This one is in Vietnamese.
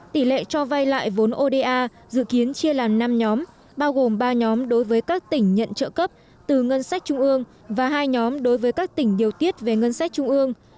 tỷ lệ cho vay lại vốn oda dự kiến chia làm năm nhóm bao gồm ba nhóm đối với các tỉnh nhận trợ cấp từ ngân sách trung ương và hai nhóm đối với các tỉnh điều tiết về ngân sách trung ương